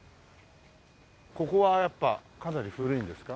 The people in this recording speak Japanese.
ここはやっぱかなり古いんですか？